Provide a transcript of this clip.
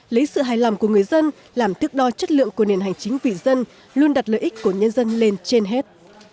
lấy sự hài lòng của người dân làm thước đo chất lượng của nền hành chính vì dân luôn đặt lợi ích của nhân dân lên trên hết